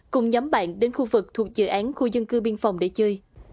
cùng nhóm bạn đến khu vực thuộc dự án khu dân cư biên phòng để chơi